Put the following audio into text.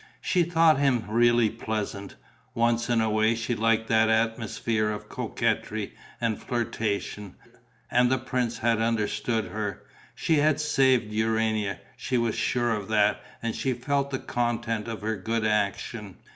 She thought him really pleasant; once in a way she liked that atmosphere of coquetry and flirtation; and the prince had understood her. She had saved Urania, she was sure of that; and she felt the content of her good action....